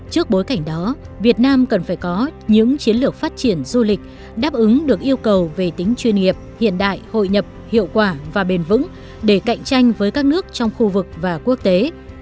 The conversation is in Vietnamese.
trước bối cảnh đó việt nam cần phải có những chiến lược phát triển du lịch đáp ứng được yêu cầu về tính chuyên nghiệp hiện đại hội nhập hiệu quả và bền vững để cạnh tranh với các nước trong khu vực và quốc tế